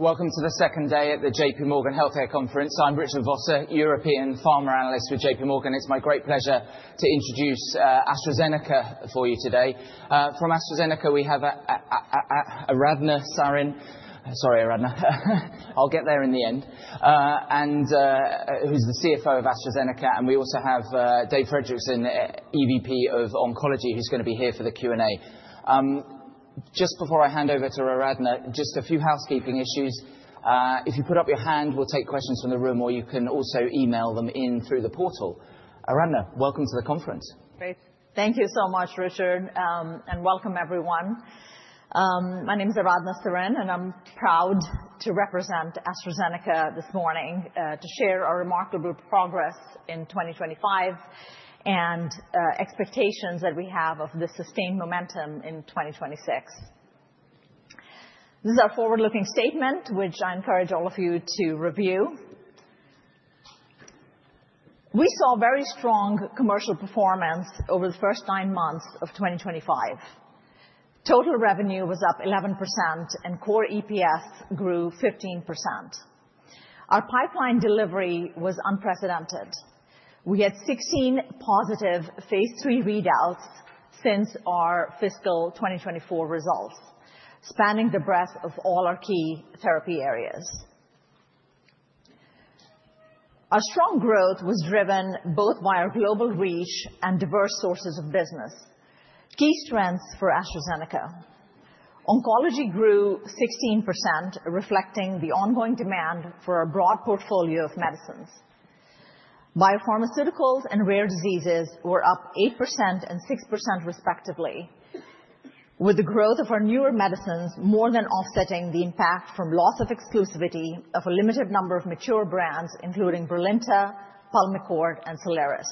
Welcome to the second day at the J.P. Morgan Healthcare Conference. I'm Richard Vosser, European Pharma Analyst with J.P. Morgan. It's my great pleasure to introduce AstraZeneca for you today. From AstraZeneca, we have Aradhana Sarin - sorry, Aradhana - I'll get there in the end, who's the CFO of AstraZeneca. And we also have Dave Fredrickson, EVP of Oncology, who's going to be here for the Q&A. Just before I hand over to Aradhana, just a few housekeeping issues. If you put up your hand, we'll take questions from the room, or you can also email them in through the portal. Aradhana, welcome to the conference. Great. Thank you so much, Richard, and welcome, everyone. My name is Aradhana Sarin, and I'm proud to represent AstraZeneca this morning to share our remarkable progress in 2025 and expectations that we have of the sustained momentum in 2026. This is our forward-looking statement, which I encourage all of you to review. We saw very strong commercial performance over the first nine months of 2025. Total revenue was up 11%, and core EPS grew 15%. Our pipeline delivery was unprecedented. We had 16 positive Phase 3 readouts since our fiscal 2024 results, spanning the breadth of all our key therapy areas. Our strong growth was driven both by our global reach and diverse sources of business. Key strengths for AstraZeneca: Oncology grew 16%, reflecting the ongoing demand for a broad portfolio of medicines. Biopharmaceuticals and rare diseases were up 8% and 6%, respectively, with the growth of our newer medicines more than offsetting the impact from loss of exclusivity of a limited number of mature brands, including Brilinta, Pulmicort, and Soliris.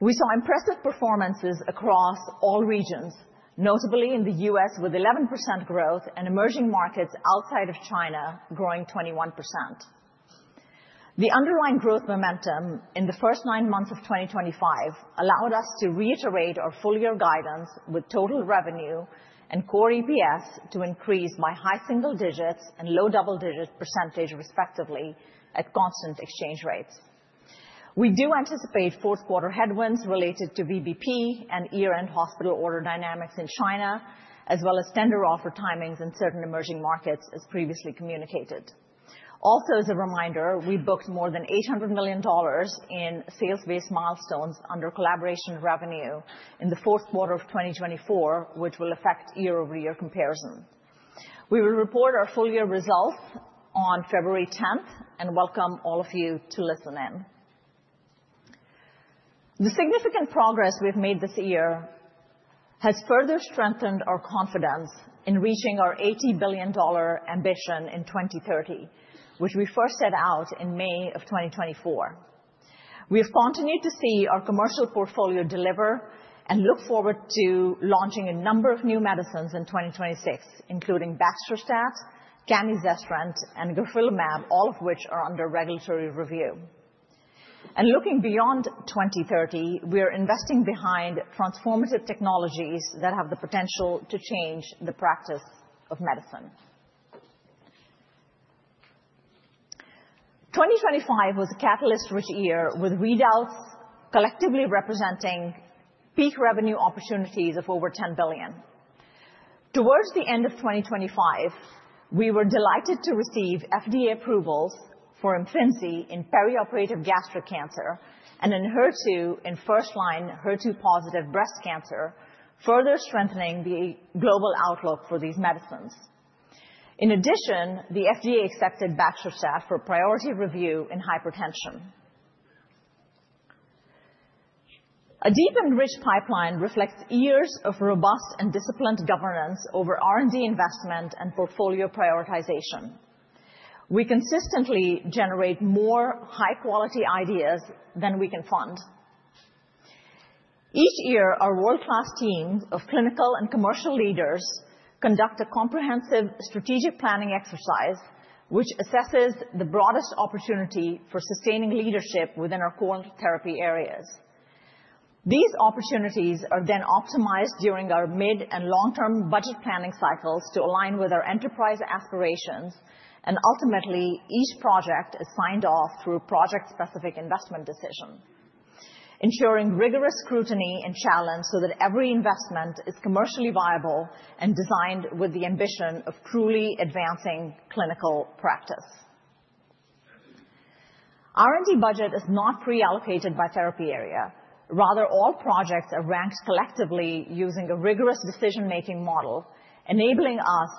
We saw impressive performances across all regions, notably in the U.S. with 11% growth and emerging markets outside of China growing 21%. The underlying growth momentum in the first nine months of 2025 allowed us to reiterate our four-year guidance with total revenue and core EPS to increase by high single digits and low double-digit %, respectively, at constant exchange rates. We do anticipate fourth-quarter headwinds related to VBP and year-end hospital order dynamics in China, as well as tender offer timings in certain emerging markets, as previously communicated. Also, as a reminder, we booked more than $800 million in sales-based milestones under collaboration revenue in the fourth quarter of 2024, which will affect year-over-year comparison. We will report our full-year results on February 10th and welcome all of you to listen in. The significant progress we've made this year has further strengthened our confidence in reaching our $80 billion ambition in 2030, which we first set out in May of 2024. We have continued to see our commercial portfolio deliver and look forward to launching a number of new medicines in 2026, including baxdrostat, camizestrant and garadacimab, all of which are under regulatory review, and looking beyond 2030, we are investing behind transformative technologies that have the potential to change the practice of medicine. 2025 was a catalyst-rich year with readouts collectively representing peak revenue opportunities of over $10 billion. Toward the end of 2025, we were delighted to receive FDA approvals for Imfinzi in perioperative gastric cancer and Enhertu in first-line HER2-positive breast cancer, further strengthening the global outlook for these medicines. In addition, the FDA accepted baxdrostat for priority review in hypertension. A deep and rich pipeline reflects years of robust and disciplined governance over R&D investment and portfolio prioritization. We consistently generate more high-quality ideas than we can fund. Each year, our world-class teams of clinical and commercial leaders conduct a comprehensive strategic planning exercise, which assesses the broadest opportunity for sustaining leadership within our core therapy areas. These opportunities are then optimized during our mid- and long-term budget planning cycles to align with our enterprise aspirations. And ultimately, each project is signed off through project-specific investment decision, ensuring rigorous scrutiny and challenge so that every investment is commercially viable and designed with the ambition of truly advancing clinical practice. R&D budget is not pre-allocated by therapy area. Rather, all projects are ranked collectively using a rigorous decision-making model, enabling us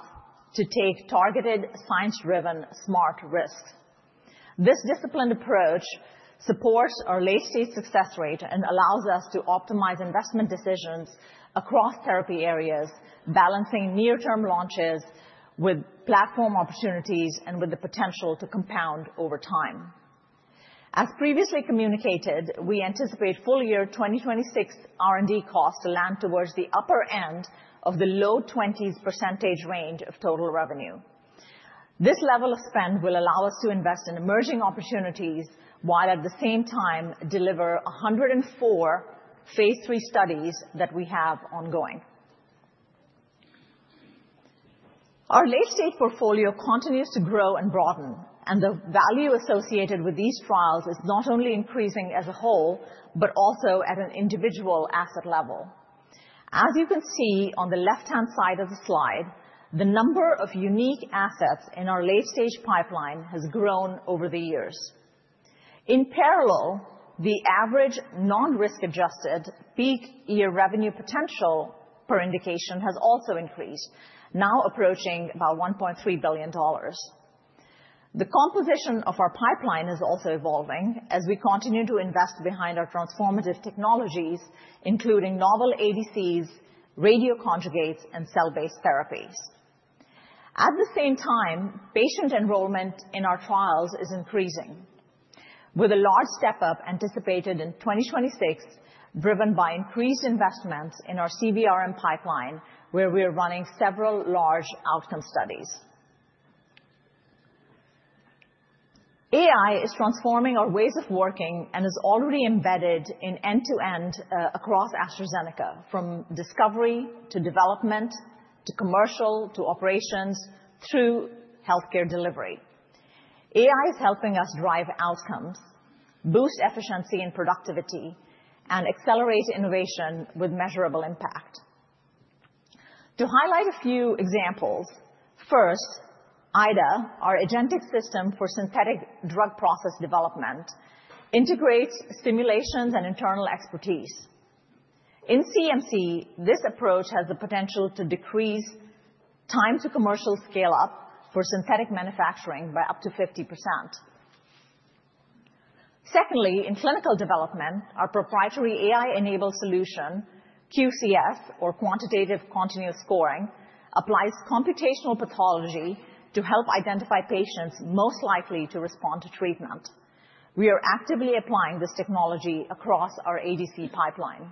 to take targeted, science-driven, smart risks. This disciplined approach supports our late-stage success rate and allows us to optimize investment decisions across therapy areas, balancing near-term launches with platform opportunities and with the potential to compound over time. As previously communicated, we anticipate full-year 2026 R&D costs to land towards the upper end of the low 20s % range of total revenue. This level of spend will allow us to invest in emerging opportunities while at the same time deliver 104 phase 3 studies that we have ongoing. Our late-stage portfolio continues to grow and broaden, and the value associated with these trials is not only increasing as a whole, but also at an individual asset level. As you can see on the left-hand side of the slide, the number of unique assets in our late-stage pipeline has grown over the years. In parallel, the average non-risk-adjusted peak year revenue potential per indication has also increased, now approaching about $1.3 billion. The composition of our pipeline is also evolving as we continue to invest behind our transformative technologies, including novel ADCs, radioconjugates, and cell-based therapies. At the same time, patient enrollment in our trials is increasing, with a large step-up anticipated in 2026, driven by increased investments in our CVRM pipeline, where we are running several large outcome studies. AI is transforming our ways of working and is already embedded in end-to-end across AstraZeneca, from discovery to development to commercial to operations through healthcare delivery. AI is helping us drive outcomes, boost efficiency and productivity, and accelerate innovation with measurable impact. To highlight a few examples, first, IDA, our agentic system for synthetic drug process development, integrates simulations and internal expertise. In CMC, this approach has the potential to decrease time-to-commercial scale-up for synthetic manufacturing by up to 50%. Secondly, in clinical development, our proprietary AI-enabled solution, QCS, or Quantitative Continuous Scoring, applies computational pathology to help identify patients most likely to respond to treatment. We are actively applying this technology across our ADC pipeline.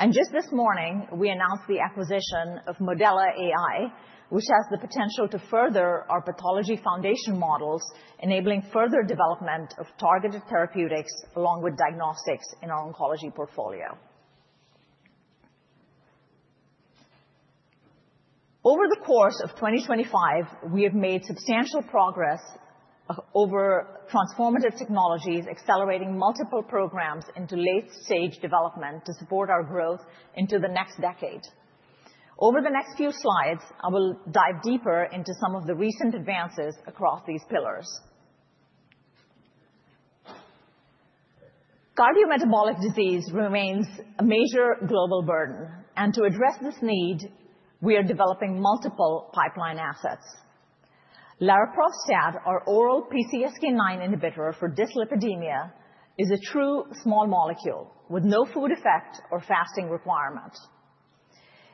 And just this morning, we announced the acquisition of Modela AI, which has the potential to further our pathology foundation models, enabling further development of targeted therapeutics along with diagnostics in our oncology portfolio. Over the course of 2025, we have made substantial progress over transformative technologies, accelerating multiple programs into late-stage development to support our growth into the next decade. Over the next few slides, I will dive deeper into some of the recent advances across these pillars. Cardiometabolic disease remains a major global burden, and to address this need, we are developing multiple pipeline assets. AZD0780, our oral PCSK9 inhibitor for dyslipidemia, is a true small molecule with no food effect or fasting requirement.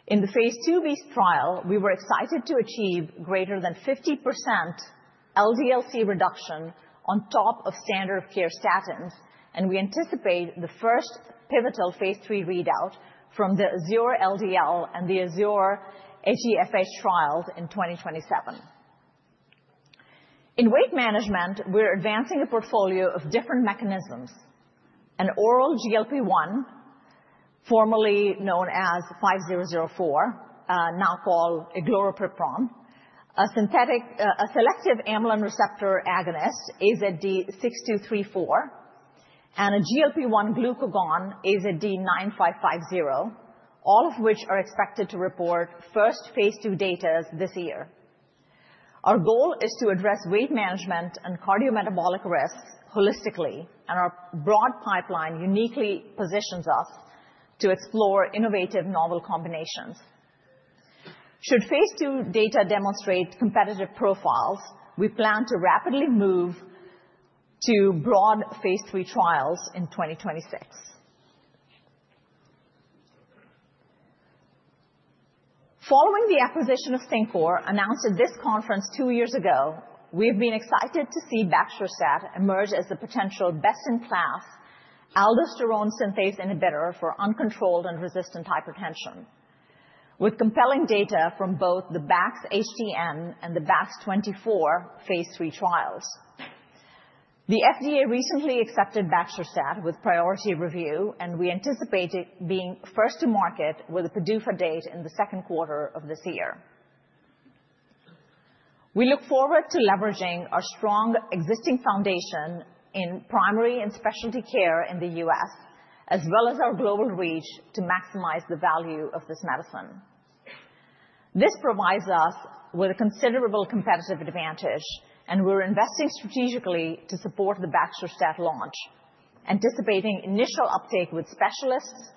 In the Phase 2b trial, we were excited to achieve greater than 50% LDL-C reduction on top of standard-of-care statins, and we anticipate the first pivotal phase 3 readout from the AZURE-LDL and the AZURE-HeFH trials in 2027. In weight management, we're advancing a portfolio of different mechanisms: an oral GLP-1, formerly known as 5004, now called azelaprag, a selective amylin receptor agonist, AZD6234, and a GLP-1 glucagon, AZD9550, all of which are expected to report first phase 2 data this year. Our goal is to address weight management and cardiometabolic risks holistically, and our broad pipeline uniquely positions us to explore innovative novel combinations. Should phase 2 data demonstrate competitive profiles, we plan to rapidly move to broad phase 3 trials in 2026. Following the acquisition of CinCor, announced at this conference two years ago, we have been excited to see baxdrostat emerge as the potential best-in-class aldosterone synthase inhibitor for uncontrolled and resistant hypertension, with compelling data from both the BaxHTN and the BaxCS24 phase 3 trials. The FDA recently accepted Baxdrostat with priority review, and we anticipate being first to market with a PDUFA date in the second quarter of this year. We look forward to leveraging our strong existing foundation in primary and specialty care in the U.S., as well as our global reach to maximize the value of this medicine. This provides us with a considerable competitive advantage, and we're investing strategically to support the Baxdrostat launch, anticipating initial uptake with specialists,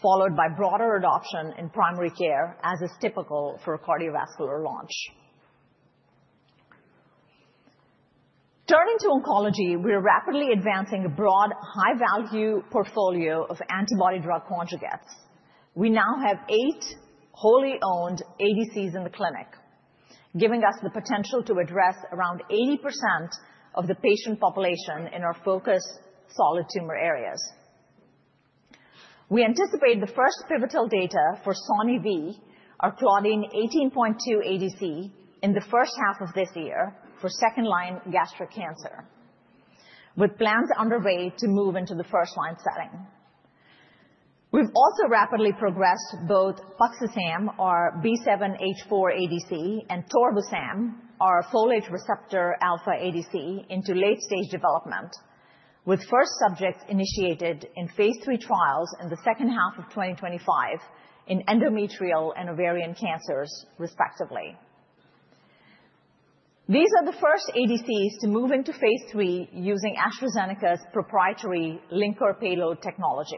followed by broader adoption in primary care, as is typical for a cardiovascular launch. Turning to oncology, we're rapidly advancing a broad, high-value portfolio of antibody drug conjugates. We now have eight wholly owned ADCs in the clinic, giving us the potential to address around 80% of the patient population in our focused solid tumor areas. We anticipate the first pivotal data for Soni V, our Claudin 18.2 ADC, in the first half of this year for second-line gastric cancer, with plans underway to move into the first-line setting. We've also rapidly progressed both Payasam, our B7-H4 ADC, and Torvosan, our folate receptor alpha ADC, into late-stage development, with first subjects initiated in phase 3 trials in the second half of 2025 in endometrial and ovarian cancers, respectively. These are the first ADCs to move into phase 3 using AstraZeneca's proprietary linker payload technology.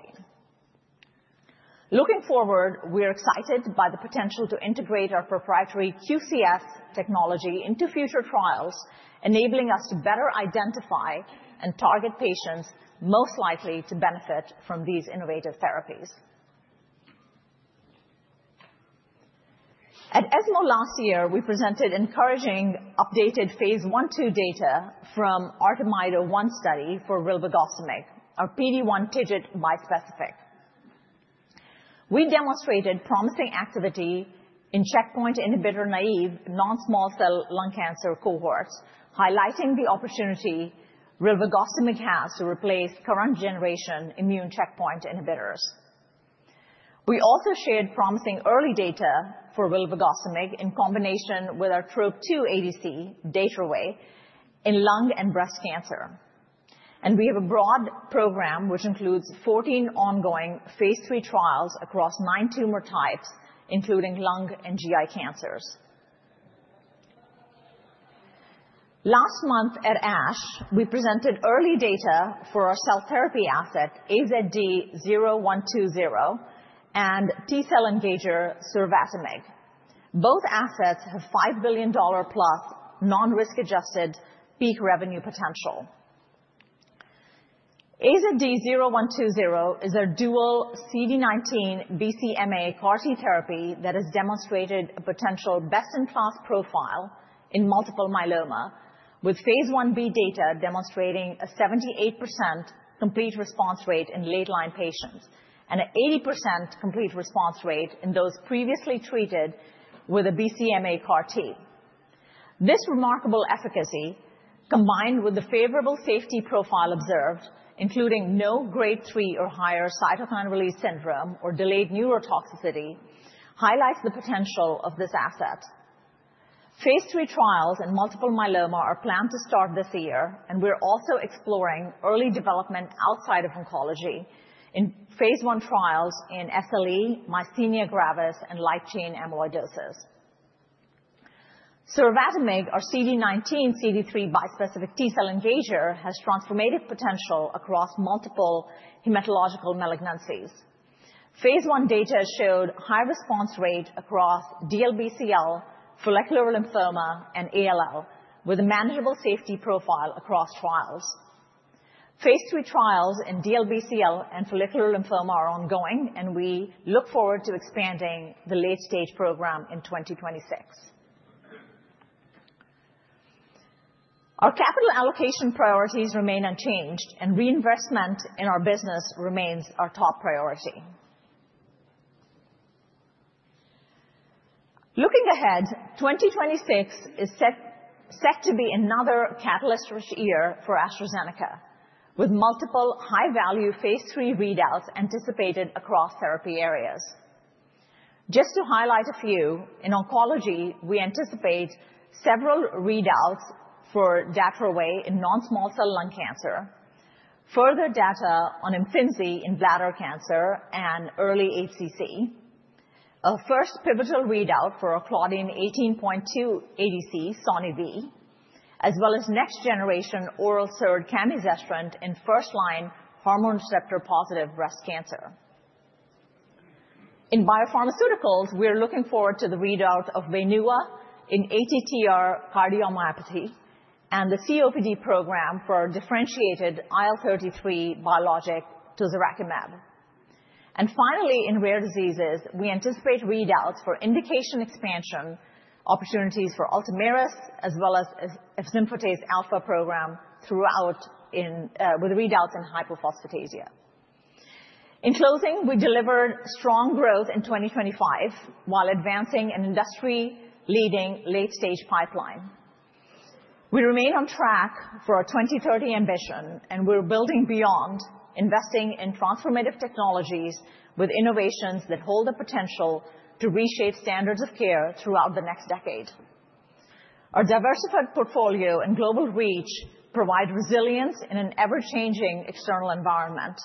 Looking forward, we're excited by the potential to integrate our proprietary QCS technology into future trials, enabling us to better identify and target patients most likely to benefit from these innovative therapies. At ESMO last year, we presented encouraging updated Phase 1-2 data from our ARTEMIDE-01 study for rilvegostomig, our PD-1 TIGIT bispecific. We demonstrated promising activity in checkpoint inhibitor naive non-small cell lung cancer cohorts, highlighting the opportunity Rilvegostomig has to replace current generation immune checkpoint inhibitors. We also shared promising early data for Rilvegostomig in combination with our TROP2 ADC, datopotamab deruxtecan, in lung and breast cancer. We have a broad program, which includes 14 ongoing phase 3 trials across nine tumor types, including lung and GI cancers. Last month at ASH, we presented early data for our cell therapy asset, AZD0120, and T-cell engager, sabestomig. Both assets have $5 billion plus non-risk-adjusted peak revenue potential. AZD0120 is our dual CD19 BCMA CAR-T therapy that has demonstrated a potential best-in-class profile in multiple myeloma, with Phase 1b data demonstrating a 78% complete response rate in late-line patients and an 80% complete response rate in those previously treated with a BCMA CAR-T. This remarkable efficacy, combined with the favorable safety profile observed, including no grade 3 or higher cytokine release syndrome or delayed neurotoxicity, highlights the potential of this asset. phase 3 trials in multiple myeloma are planned to start this year, and we're also exploring early development outside of oncology in phase 1 trials in SLE, myasthenia gravis, and light chain amyloidosis. Survatimig, our CD19 CD3 bispecific T-cell engager, has transformative potential across multiple hematological malignancies. phase 1 data showed high response rate across DLBCL, follicular lymphoma, and ALL, with a manageable safety profile across trials. phase 3 trials in DLBCL and follicular lymphoma are ongoing, and we look forward to expanding the late-stage program in 2026. Our capital allocation priorities remain unchanged, and reinvestment in our business remains our top priority. Looking ahead, 2026 is set to be another catalyst-rich year for AstraZeneca, with multiple high-value phase 3 readouts anticipated across therapy areas. Just to highlight a few, in Oncology, we anticipate several readouts for datopotamab deruxtecan in non-small cell lung cancer, further data on Imfinzi in bladder cancer and early HCC, a first pivotal readout for our claudin 18.2 ADC, Soni V, as well as next-generation oral SERD camizestrant in first-line hormone receptor-positive breast cancer. In BioPharmaceuticals, we're looking forward to the readout of Wainua in ATTR cardiomyopathy and the COPD program for differentiated IL-33 biologic tozorakimab. Finally, in rare diseases, we anticipate readouts for indication expansion opportunities for Ultomiris, as well as asfotase alfa program throughout with readouts in hypophosphatasia. In closing, we deliver strong growth in 2025 while advancing an industry-leading late-stage pipeline. We remain on track for our 2030 ambition, and we're building beyond, investing in transformative technologies with innovations that hold the potential to reshape standards of care throughout the next decade. Our diversified portfolio and global reach provide resilience in an ever-changing external environment,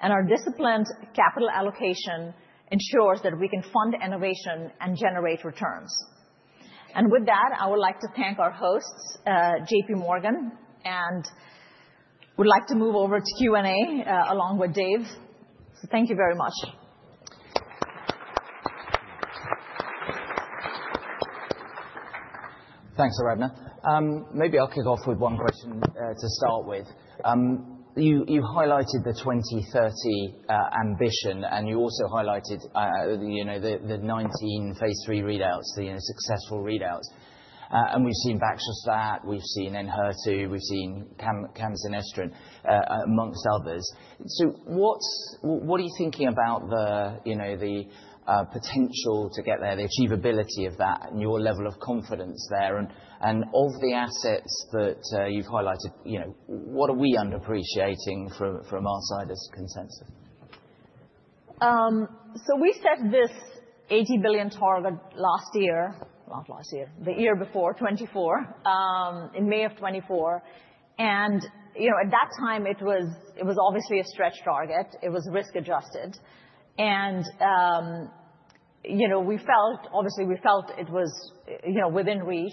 and our disciplined capital allocation ensures that we can fund innovation and generate returns. And with that, I would like to thank our hosts, J.P. Morgan, and would like to move over to Q&A along with Dave. So thank you very much. Thanks, Aradhana. Maybe I'll kick off with one question to start with. You highlighted the 2030 ambition, and you also highlighted the 19 phase 3 readouts, the successful readouts. And we've seen Baxdrostat, we've seen Enhertu, we've seen Camizestrant, among others. So what are you thinking about the potential to get there, the achievability of that, and your level of confidence there? Of the assets that you've highlighted, what are we underappreciating from our side as consensus? So we set this $80 billion target last year, not last year, the year before, 2024, in May of 2024. And at that time, it was obviously a stretch target. It was risk-adjusted. And obviously, we felt it was within reach.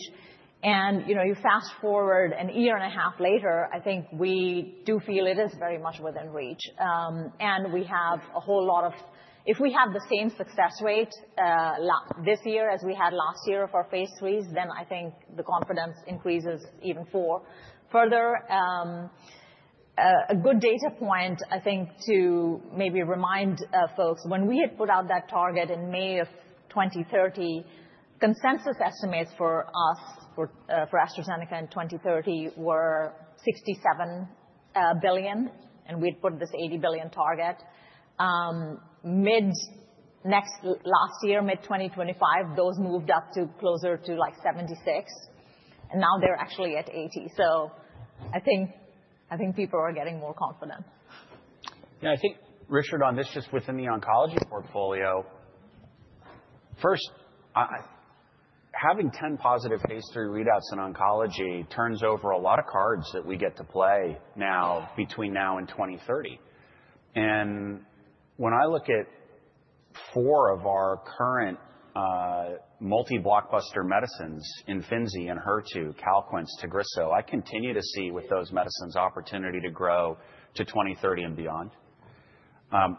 And you fast forward a year and a half later, I think we do feel it is very much within reach. And we have a whole lot of, if we have the same success rate this year as we had last year for phase 3s, then I think the confidence increases even further. A good data point, I think, to maybe remind folks, when we had put out that target in May of 2030, consensus estimates for us, for AstraZeneca in 2030, were $67 billion, and we had put this $80 billion target. Last year, mid-2025, those moved up to closer to like $76, and now they're actually at $80. So I think people are getting more confident. Yeah, I think, Richard, on this, just within the oncology portfolio, first, having 10 positive phase 3 readouts in oncology turns over a lot of cards that we get to play now between now and 2030. When I look at four of our current multi-blockbuster medicines, Imfinzi, Enhertu, Calquence, Tagrisso, I continue to see with those medicines opportunity to grow to 2030 and beyond.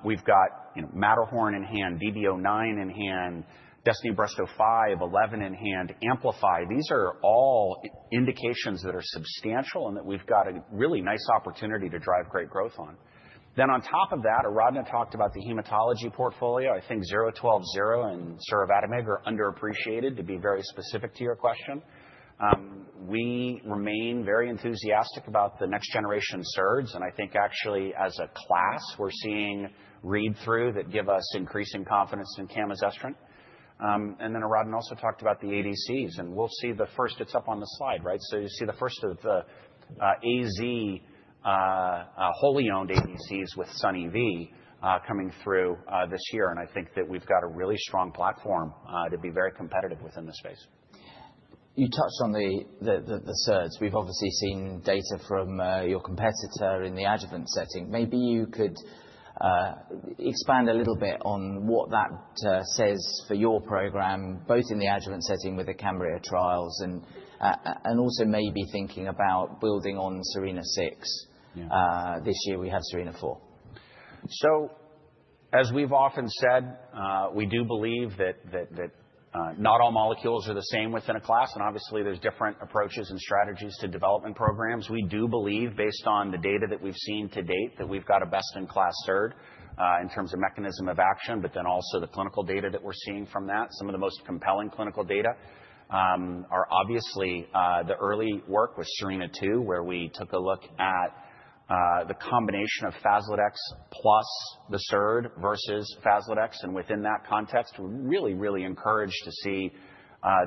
We've got Matterhorn in hand, DB09 in hand, Destiny-Breast05, 11 in hand, Amplify. These are all indications that are substantial and that we've got a really nice opportunity to drive great growth on. Then on top of that, Aradhana talked about the hematology portfolio. I think 0120 and Rilvegostomig are underappreciated, to be very specific to your question. We remain very enthusiastic about the next-generation SERDs, and I think actually as a class, we're seeing read-through that give us increasing confidence in Camizestrant. And then Aradhana also talked about the ADCs, and we'll see the first, it's up on the slide, right? So you see the first of the AZ wholly owned ADCs with Soni V coming through this year, and I think that we've got a really strong platform to be very competitive within the space. You touched on the SERDs. We've obviously seen data from your competitor in the adjuvant setting. Maybe you could expand a little bit on what that says for your program, both in the adjuvant setting with the SERENA trials and also maybe thinking about building on SERENA-6. This year, we have SERENA 4. As we've often said, we do believe that not all molecules are the same within a class, and obviously, there's different approaches and strategies to development programs. We do believe, based on the data that we've seen to date, that we've got a best-in-class SERD in terms of mechanism of action, but then also the clinical data that we're seeing from that. Some of the most compelling clinical data are obviously the early work with SERENA-2, where we took a look at the combination of Faslodex plus the SERD versus Faslodex. Within that context, we're really, really encouraged to see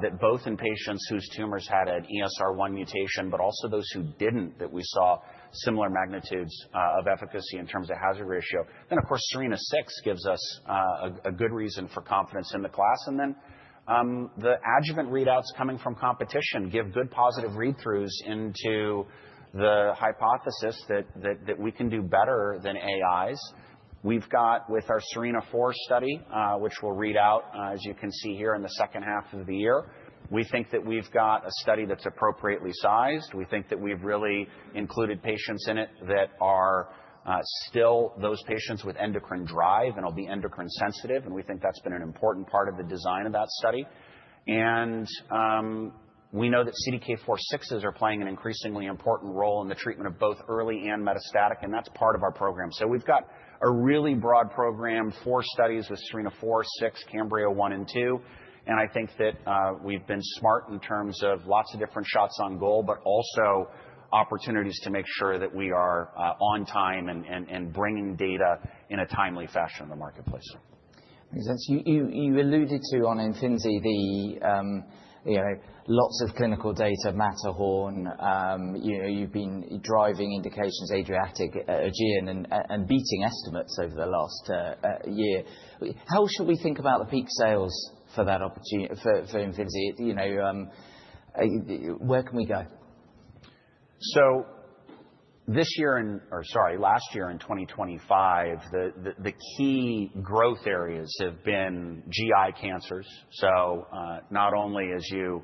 that both in patients whose tumors had an ESR1 mutation, but also those who didn't, that we saw similar magnitudes of efficacy in terms of hazard ratio. Of course, SERENA-6 gives us a good reason for confidence in the class. And then the adjuvant readouts coming from competition give good positive read-throughs into the hypothesis that we can do better than AIs. We've got, with our SERENA-4 study, which we'll read out, as you can see here in the second half of the year, we think that we've got a study that's appropriately sized. We think that we've really included patients in it that are still those patients with endocrine drive and will be endocrine sensitive, and we think that's been an important part of the design of that study. And we know that CDK4/6s are playing an increasingly important role in the treatment of both early and metastatic, and that's part of our program. So we've got a really broad program, four studies with SERENA-4, SERENA-6, CAMBRIA-1 and CAMBRIA-2. I think that we've been smart in terms of lots of different shots on goal, but also opportunities to make sure that we are on time and bringing data in a timely fashion in the marketplace. Makes sense. You alluded to on Imfinzi lots of clinical data, Matterhorn. You've been driving indications, Adriatic, Aegean, and beating estimates over the last year. How should we think about the peak sales for that opportunity for Imfinzi? Where can we go? So this year, and sorry, last year in 2025, the key growth areas have been GI cancers. So not only, as you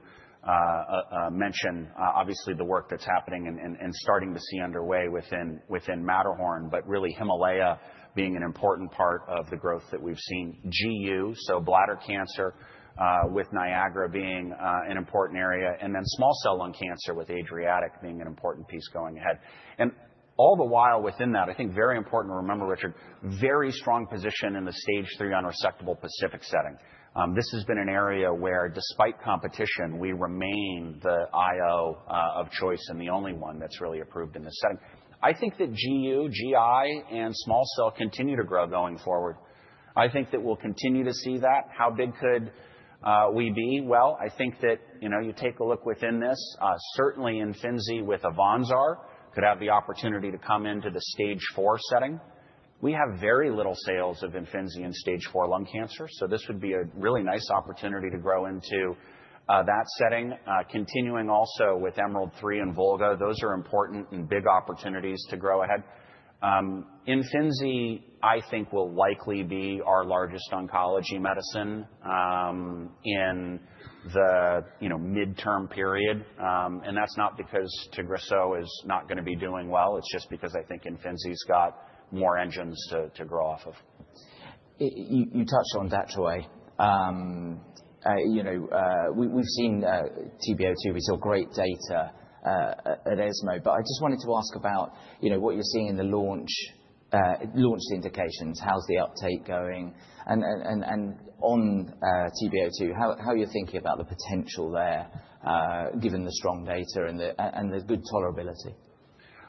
mentioned, obviously the work that's happening and starting to see underway within Matterhorn, but really Himalaya being an important part of the growth that we've seen. GU, so bladder cancer, with Niagara being an important area, and then small cell lung cancer with Adriatic being an important piece going ahead. And all the while within that, I think very important to remember, Richard, very strong position in the stage three unresectable Pacific setting. This has been an area where, despite competition, we remain the IO of choice and the only one that's really approved in this setting. I think that GU, GI, and small cell continue to grow going forward. I think that we'll continue to see that. How big could we be? I think that you take a look within this. Certainly, Imfinzi with Imjudo could have the opportunity to come into the stage four setting. We have very little sales of Imfinzi in stage four lung cancer, so this would be a really nice opportunity to grow into that setting. Continuing also with Emerald 3 and volrustomig, those are important and big opportunities to grow ahead. Imfinzi, I think, will likely be our largest oncology medicine in the midterm period. That's not because Tagrisso is not going to be doing well. It's just because I think Imfinzi's got more engines to grow off of. You touched on Dato-DXD. We've seen T-DXd, we saw great data at ESMO, but I just wanted to ask about what you're seeing in the launched indications. How's the uptake going? And on T-DXd, how are you thinking about the potential there given the strong data and the good tolerability?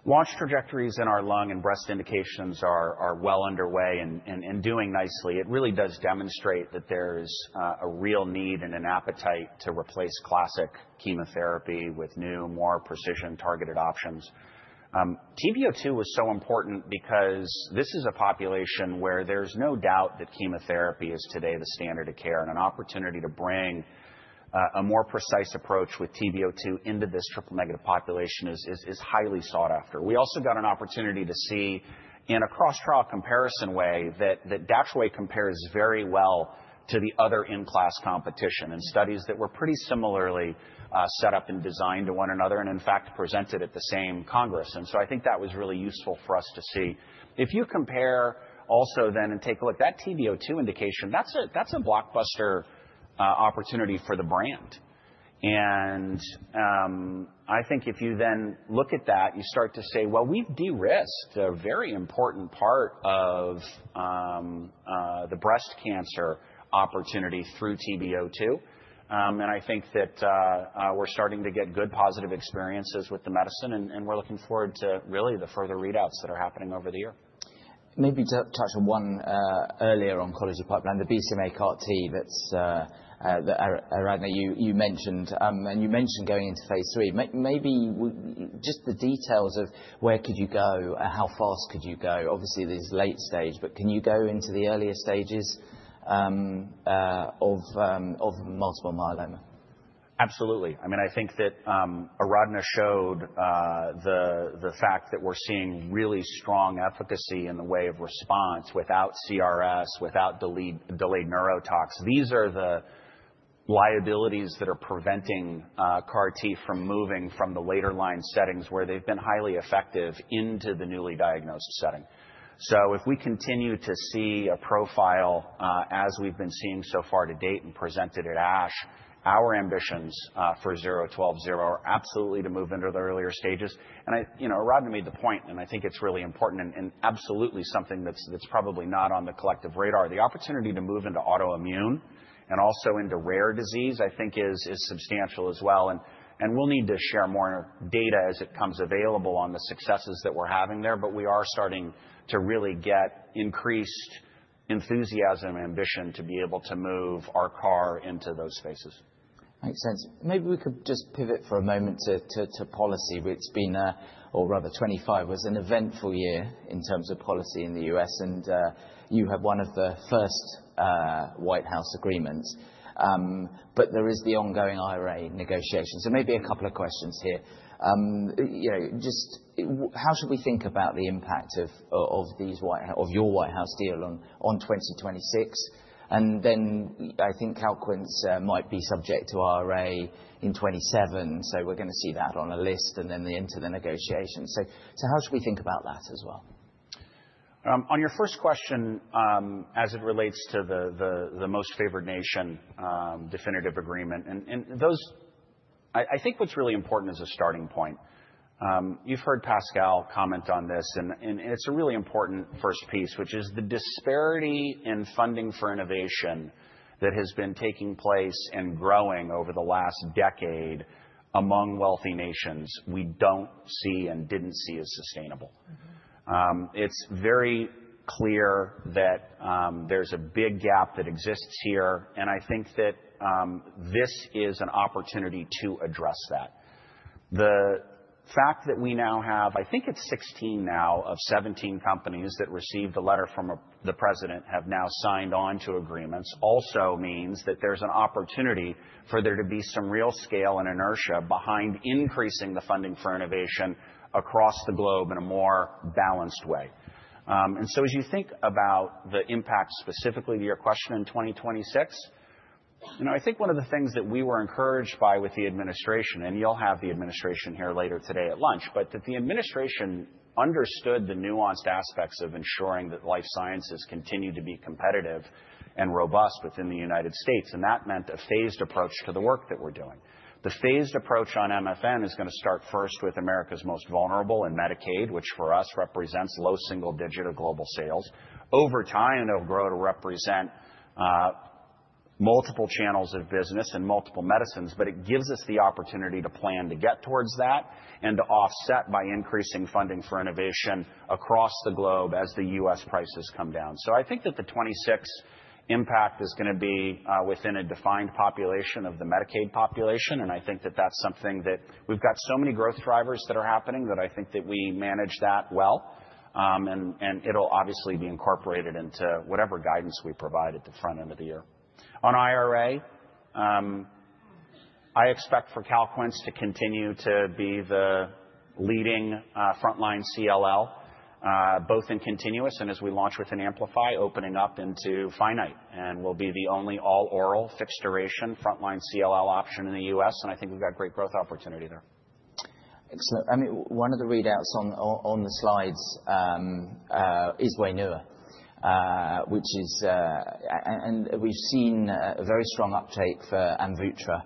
Launch trajectories in our lung and breast indications are well underway and doing nicely. It really does demonstrate that there's a real need and an appetite to replace classic chemotherapy with new, more precision-targeted options. TROP2 was so important because this is a population where there's no doubt that chemotherapy is today the standard of care, and an opportunity to bring a more precise approach with TROP2 into this triple-negative population is highly sought after. We also got an opportunity to see in a cross-trial comparison way that Datopotamab deruxtecan compares very well to the other in-class competition and studies that were pretty similarly set up and designed to one another and, in fact, presented at the same congress, and so I think that was really useful for us to see. If you compare also then and take a look, that TROP2 indication, that's a blockbuster opportunity for the brand. And I think if you then look at that, you start to say, well, we've de-risked a very important part of the breast cancer opportunity through TB02. And I think that we're starting to get good positive experiences with the medicine, and we're looking forward to really the further readouts that are happening over the year. Maybe touch on one earlier oncology pipeline, the BCMA CAR-T that Aradhana, you mentioned, and you mentioned going into phase 3. Maybe just the details of where could you go, how fast could you go? Obviously, this is late stage, but can you go into the earlier stages of multiple myeloma? Absolutely. I mean, I think that Aradhana showed the fact that we're seeing really strong efficacy in the way of response without CRS, without delayed neurotoxicity. These are the liabilities that are preventing CAR-T from moving from the later line settings where they've been highly effective into the newly diagnosed setting, so if we continue to see a profile as we've been seeing so far to date and presented at ASH, our ambitions for AZD0120 are absolutely to move into the earlier stages, and Aradhana made the point, and I think it's really important and absolutely something that's probably not on the collective radar. The opportunity to move into autoimmune and also into rare disease, I think, is substantial as well. We'll need to share more data as it comes available on the successes that we're having there, but we are starting to really get increased enthusiasm and ambition to be able to move our CAR into those spaces. Makes sense. Maybe we could just pivot for a moment to policy. It's been, or rather 2025, was an eventful year in terms of policy in the U.S., and you had one of the first White House agreements. But there is the ongoing IRA negotiation. So maybe a couple of questions here. Just how should we think about the impact of your White House deal on 2026? And then I think Calquence might be subject to IRA in 2027, so we're going to see that on a list and then into the negotiation. So how should we think about that as well? On your first question, as it relates to the Most Favored Nation definitive agreement, I think what's really important is a starting point. You've heard Pascal comment on this, and it's a really important first piece, which is the disparity in funding for innovation that has been taking place and growing over the last decade among wealthy nations we don't see and didn't see as sustainable. It's very clear that there's a big gap that exists here, and I think that this is an opportunity to address that. The fact that we now have, I think it's 16 now of 17 companies that received a letter from the president, have now signed on to agreements also means that there's an opportunity for there to be some real scale and inertia behind increasing the funding for innovation across the globe in a more balanced way. And so as you think about the impact specifically to your question in 2026, I think one of the things that we were encouraged by with the administration, and you'll have the administration here later today at lunch, but that the administration understood the nuanced aspects of ensuring that life sciences continue to be competitive and robust within the United States, and that meant a phased approach to the work that we're doing. The phased approach on MFN is going to start first with America's most vulnerable and Medicaid, which for us represents low single digit of global sales. Over time, it'll grow to represent multiple channels of business and multiple medicines, but it gives us the opportunity to plan to get towards that and to offset by increasing funding for innovation across the globe as the U.S. prices come down. So I think that the 2026 impact is going to be within a defined population of the Medicaid population, and I think that that's something that we've got so many growth drivers that are happening that I think that we manage that well, and it'll obviously be incorporated into whatever guidance we provide at the front end of the year. On IRA, I expect for Calquence to continue to be the leading frontline CLL, both in continuous and as we launch within Amplify, opening up into finite, and we'll be the only all-oral fixed duration frontline CLL option in the U.S., and I think we've got great growth opportunity there. Excellent. I mean, one of the readouts on the slides is Wainua, which is, and we've seen a very strong uptake for Amvutra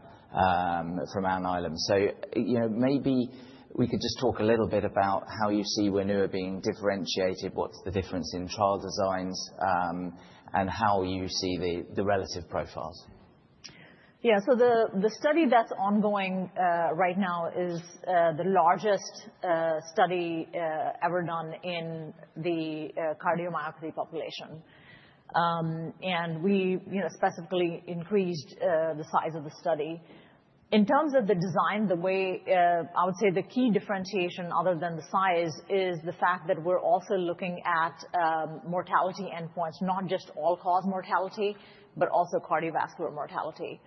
from Alnylam. So maybe we could just talk a little bit about how you see Wainua being differentiated, what's the difference in trial designs, and how you see the relative profiles. Yeah, so the study that's ongoing right now is the largest study ever done in the cardiomyopathy population. And we specifically increased the size of the study. In terms of the design, the way I would say the key differentiation other than the size is the fact that we're also looking at mortality endpoints, not just all-cause mortality, but also cardiovascular mortality.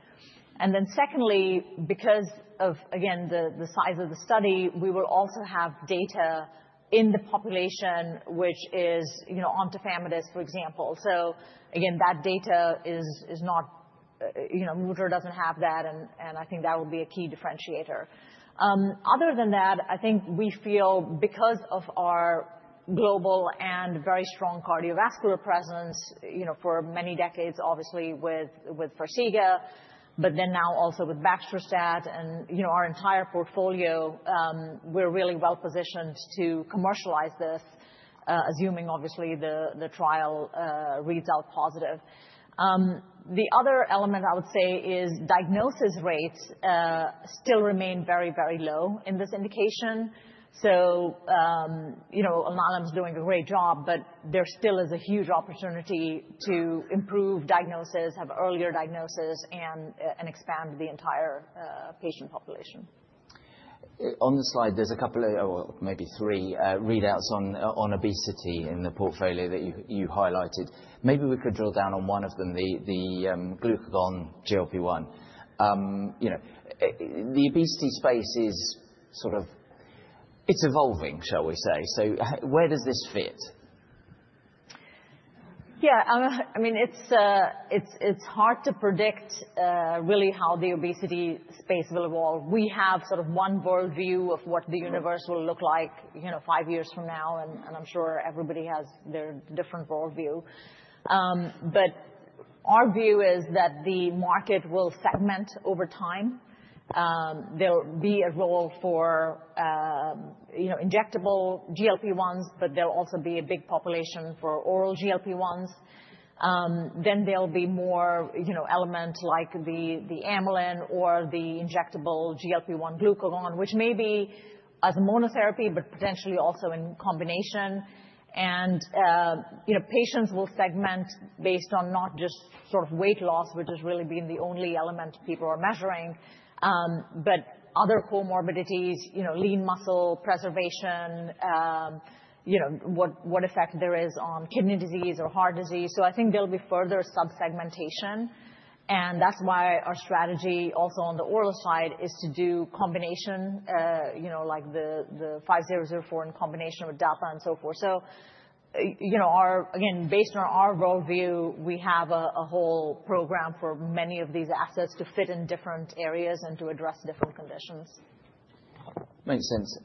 And then secondly, because of, again, the size of the study, we will also have data in the population, which is non-familial, for example. So again, that data is not, Wainua doesn't have that, and I think that will be a key differentiator. Other than that, I think we feel because of our global and very strong cardiovascular presence for many decades, obviously with Farxiga, but then now also with Baxdrostat and our entire portfolio, we're really well positioned to commercialize this, assuming obviously the trial reads out positive. The other element I would say is diagnosis rates still remain very, very low in this indication. So Alana's doing a great job, but there still is a huge opportunity to improve diagnosis, have earlier diagnosis, and expand the entire patient population. On the slide, there's a couple of, or maybe three readouts on obesity in the portfolio that you highlighted. Maybe we could drill down on one of them, the glucagon GLP-1. The obesity space is sort of, it's evolving, shall we say. So where does this fit? Yeah, I mean, it's hard to predict really how the obesity space will evolve. We have sort of one worldview of what the universe will look like five years from now, and I'm sure everybody has their different worldview. But our view is that the market will segment over time. There'll be a role for injectable GLP-1s, but there'll also be a big population for oral GLP-1s. Then there'll be more elements like the amylin or the injectable GLP-1 glucagon, which may be as a monotherapy, but potentially also in combination. And patients will segment based on not just sort of weight loss, which has really been the only element people are measuring, but other comorbidities, lean muscle preservation, what effect there is on kidney disease or heart disease. So I think there'll be further subsegmentation, and that's why our strategy also on the oral side is to do combination like the AZD5004 in combination with Dapa and so forth. So again, based on our worldview, we have a whole program for many of these assets to fit in different areas and to address different conditions. Makes sense.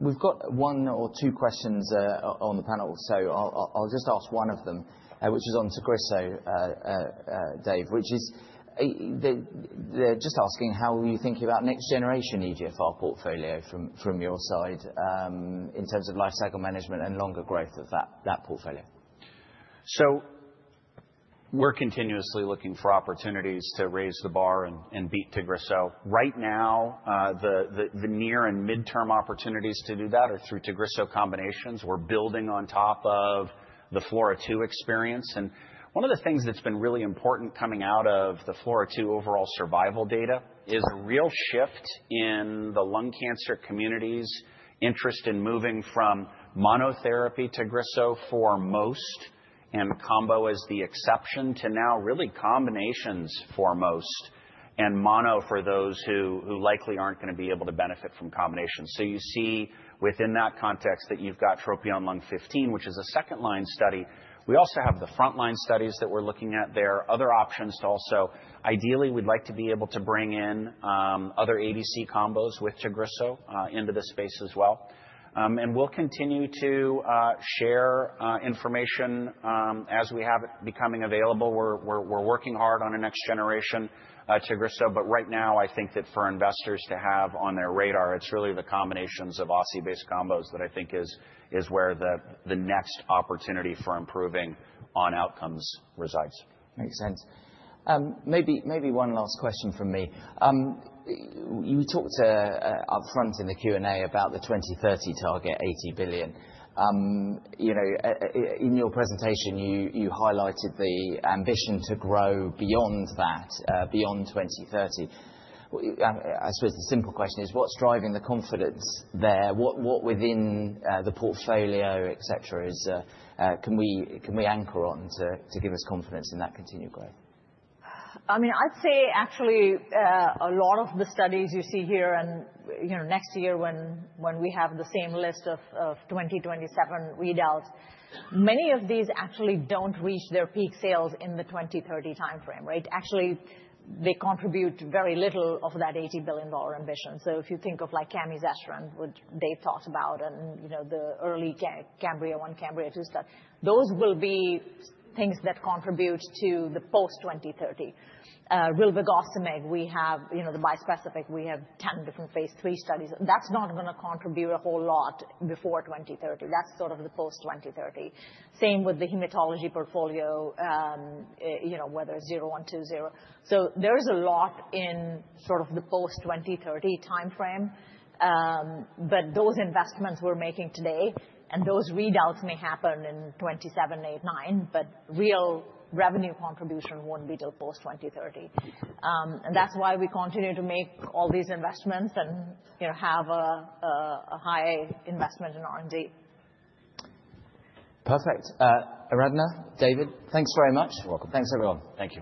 We've got one or two questions on the panel, so I'll just ask one of them, which is on Tagrisso, Dave, which is they're just asking how are you thinking about next generation EGFR portfolio from your side in terms of lifecycle management and longer growth of that portfolio? So we're continuously looking for opportunities to raise the bar and beat Tagrisso. Right now, the near- and midterm opportunities to do that are through Tagrisso combinations. We're building on top of the FLAURA2 experience. And one of the things that's been really important coming out of the FLAURA2 overall survival data is a real shift in the lung cancer community's interest in moving from monotherapy Tagrisso for most and combo as the exception to now really combinations for most and mono for those who likely aren't going to be able to benefit from combination. So you see within that context that you've got TROPION-Lung01, which is a second line study. We also have the frontline studies that we're looking at there, other options to also, ideally, we'd like to be able to bring in other ADC combos with Tagrisso into the space as well. We'll continue to share information as we have it becoming available. We're working hard on a next generation Tagrisso, but right now, I think that for investors to have on their radar, it's really the combinations of OSI-based combos that I think is where the next opportunity for improving on outcomes resides. Makes sense. Maybe one last question from me. You talked upfront in the Q&A about the 2030 target, $80 billion. In your presentation, you highlighted the ambition to grow beyond that, beyond 2030. I suppose the simple question is, what's driving the confidence there? What within the portfolio, etc., can we anchor on to give us confidence in that continued growth? I mean, I'd say actually a lot of the studies you see here and next year when we have the same list of 2027 readouts, many of these actually don't reach their peak sales in the 2030 timeframe, right? Actually, they contribute very little of that $80 billion ambition. So if you think of like Camizestrant, what they've talked about and the early Cambria 1, Cambria 2 stuff, those will be things that contribute to the post-2030. Our oncology, we have the bispecific, we have 10 different phase 3 studies. That's not going to contribute a whole lot before 2030. That's sort of the post-2030. Same with the hematology portfolio, whether it's 0120. So there's a lot in sort of the post-2030 timeframe, but those investments we're making today and those readouts may happen in 2027, 2028, 2029, but real revenue contribution won't be until post-2030. That's why we continue to make all these investments and have a high investment in R&D. Perfect. Aradhana, David, thanks very much. You're welcome. Thanks, everyone. Thank you.